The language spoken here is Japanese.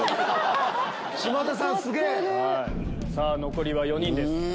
残りは４人です。